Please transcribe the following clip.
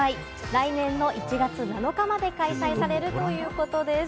来年の１月７日まで開催されるということです。